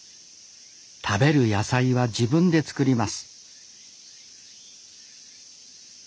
食べる野菜は自分で作ります